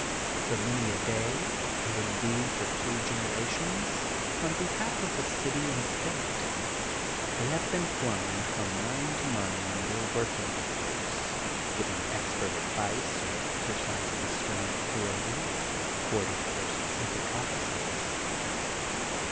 For many a day, and indeed for two generations, on behalf of the city and state, they have been flying from mine to mine in their working hours, giving expert advice or exercising stem authority, accord ing to their specific oflSces.